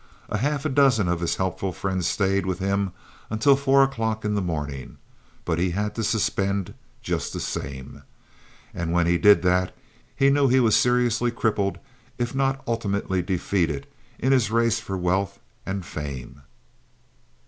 A half dozen of his helpful friends stayed with him until four o'clock in the morning; but he had to suspend just the same. And when he did that, he knew he was seriously crippled if not ultimately defeated in his race for wealth and fame.